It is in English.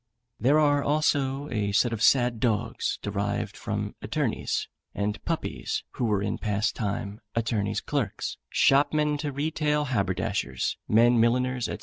There are also a set of sad dogs derived from attornies; and puppies, who were in past time attornies' clerks, shopmen to retail haberdashers, men milliners, &c.